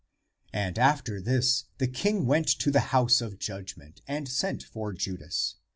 And after this the king went to the house of judgment and sent for Judas.